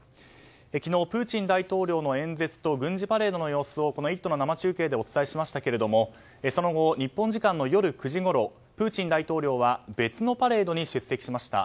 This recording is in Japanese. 昨日、プーチン大統領の演説と軍事パレードの様子をこの「イット！」の生中継でお伝えしましたがその後、日本時間の夜９時ごろプーチン大統領は別のパレードに出席しました。